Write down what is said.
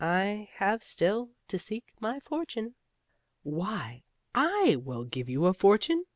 "I have still to seek my fortune." "Why, I will give you a fortune!"